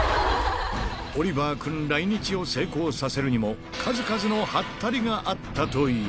オリバー君来日を成功させるにも、数々のハッタリがあったという。